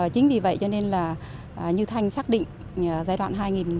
chính vì vậy cho nên là như thanh xác định giai đoạn hai nghìn một mươi sáu hai nghìn hai mươi